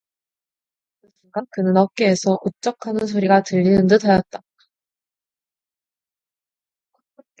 그 순간 그는 어깨에서 우쩍 하는 소리가 들리는 듯하였다.